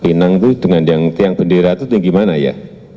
pinang itu dengan yang tiang bendera itu tinggi mana ya